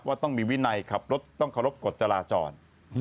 ต้องมีวินัยขับรถต้องเคารพกฎจราจร